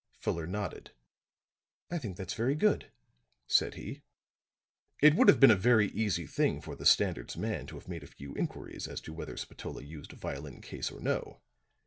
Fuller nodded. "I think that's very good," said he. "It would have been a very easy thing for the Standard's man to have made a few inquiries as to whether Spatola used a violin case or no.